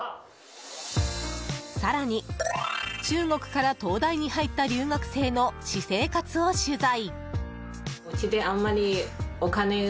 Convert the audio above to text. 更に、中国から東大に入った留学生の私生活を取材。